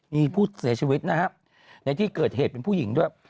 มีผู้เสียชีวิตนะครับในที่เกิดเหตุเป็นผู้หญิงด้วย